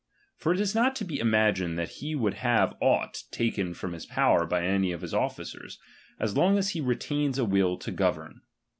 For it is not to be imagined that tie would have aught taken from his power by any of his officers, as long as he retains a will to govern.